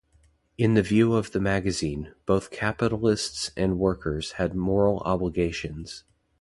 In the view of the magazine, both capitalists and workers had moral obligations.